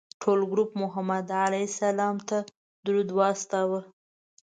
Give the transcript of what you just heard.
ټول ګروپ محمد علیه السلام ته درود واستوه.